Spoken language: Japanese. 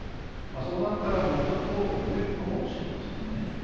そうなったら、もうちょっと遅れるかもしれません。